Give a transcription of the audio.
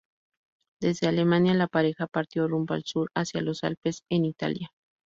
Desde Alemania, la pareja partió rumbo al sur, hacia los Alpes, en Italia.